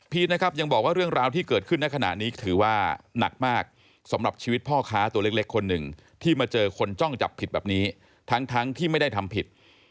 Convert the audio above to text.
นะครับยังบอกว่าเรื่องราวที่เกิดขึ้นในขณะนี้ถือว่าหนักมากสำหรับชีวิตพ่อค้าตัวเล็กคนหนึ่งที่มาเจอคนจ้องจับผิดแบบนี้ทั้งที่ไม่ได้ทำผิด